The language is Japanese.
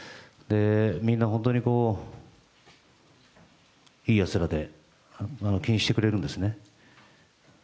みんな本当にいいやつらで、気にしてくれるんですね。